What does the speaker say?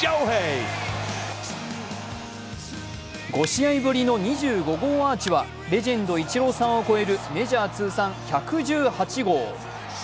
５試合ぶりの２５号アーチはレジェンド・イチローさんを超えるメジャー通算１１８号。